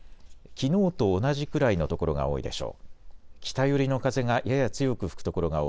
きのうと同じくらいの所が多いでしょう。